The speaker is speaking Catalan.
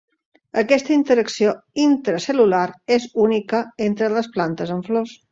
Aquesta interacció intracel·lular és única entre les plantes amb flors.